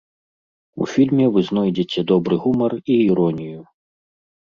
У фільме вы знойдзеце добры гумар і іронію.